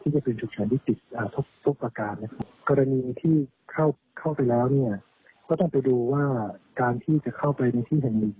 สพชกรณีที่เข้าไปแล้วนี่ก็ต้องไปดูว่าการที่จะเข้าไปที่แห่ง๑